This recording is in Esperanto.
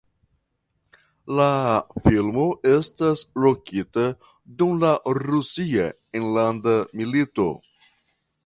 La filmo estas lokita dum la Rusia enlanda milito.